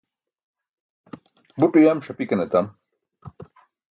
buṭ uyam ṣapikan etam